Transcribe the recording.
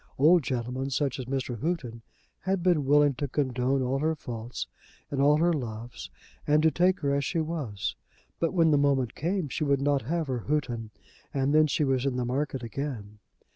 Old gentlemen, such as was Mr. Houghton, had been willing to condone all her faults, and all her loves, and to take her as she was. But when the moment came, she would not have her Houghton, and then she was in the market again.